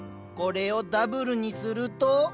これをダブルにすると。